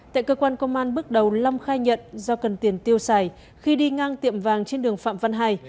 tại cơ quan công an bước đầu long khai nhận do cần tiền tiêu xài khi đi ngang tiệm vàng trên đường phạm văn hai